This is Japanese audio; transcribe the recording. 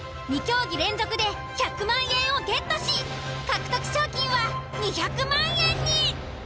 ２競技連続で１００万円をゲットし獲得賞金は２００万円に。